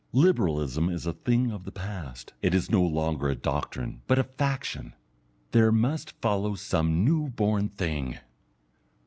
Liberalism is a thing of the past, it is no longer a doctrine, but a faction. There must follow some newborn thing.